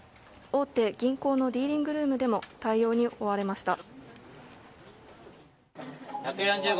大手銀行のディーリングルームでも対応に追われました。